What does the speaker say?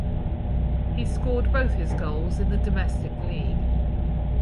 He scored both his goals in the domestic league.